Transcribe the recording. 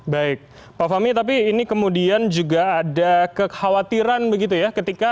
baik pak fahmi tapi ini kemudian juga ada kekhawatiran begitu ya